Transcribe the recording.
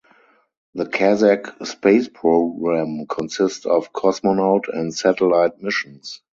The Kazakh space program consist of cosmonaut and satellite missions.